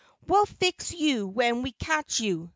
"We'll fix you when we catch you!"